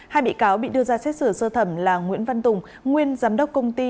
hai bị cáo bị đưa ra xét xử sơ thẩm là nguyễn văn tùng nguyên giám đốc công ty